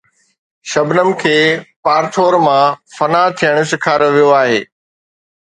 شبنم کي پارٿور مان فنا ٿيڻ سيکاريو ويو آهي